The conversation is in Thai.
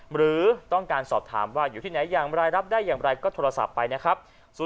หรือต้องการสอบถามว่าอยู่ที่ไหนอย่างไรรับได้อย่างไรก็โทรศัพท์ไปนะครับ